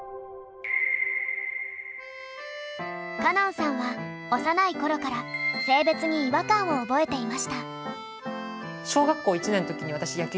歌音さんは幼い頃から性別に違和感を覚えていました。